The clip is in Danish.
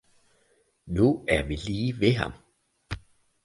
nu er vi lige ved ham!